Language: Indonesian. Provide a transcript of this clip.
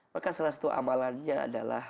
maka salah satu amalannya adalah